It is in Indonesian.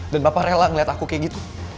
dan papa rela ngeliat aku kayak gitu